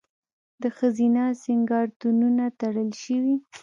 د ښځینه سینګارتونونه تړل شوي؟